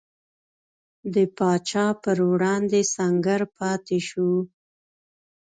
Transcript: د پاچا پر وړاندې سنګر پاتې شو.